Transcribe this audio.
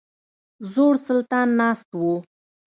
زوړ سلطان ناست وو.